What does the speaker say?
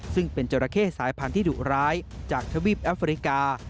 ซึ่งเป็นจราเข้สายพันธุ์ดุร้ายจากทวีปแอฟริกา